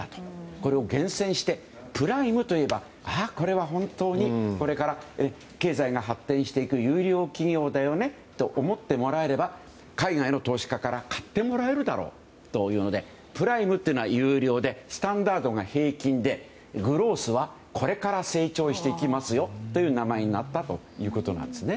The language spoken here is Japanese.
これを厳選してプライムといえばこれは本当にこれから経済が発展していく優良企業だよねって思ってもらえれば海外の投資家から買ってもらえるだろうというのでプライムというのは優良でスタンダードが平均で、グロースはこれから成長していきますよという名前になったということなんです。